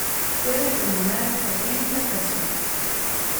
Puede acomodar hasta treinta personas.